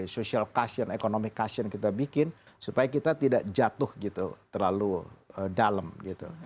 social cash in economic cash in kita bikin supaya kita tidak jatuh gitu terlalu dalam gitu